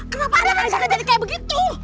kenapa ada tanda tanda jadi kayak begitu